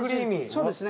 ・そうですね。